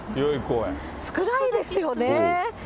少ないですよね。